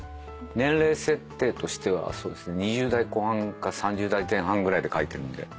年齢設定としては２０代後半か３０代前半ぐらいで書いてるんで。